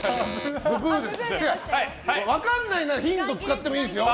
分かんないならヒント使ってもいいですよ。